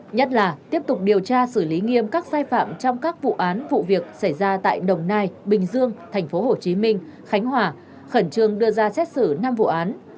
nhất là tiếp tục điều tra xử lý nghiêm các sai phạm trong các vụ án vụ việc xảy ra tại đồng nai bình dương tp hcm khánh hòa khẩn trương đưa ra xét xử năm vụ án